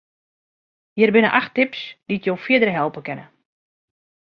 Hjir binne acht tips dy't jo fierder helpe kinne.